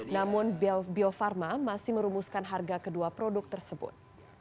namun bio farma masih merumuskan harga kedua produk tersebut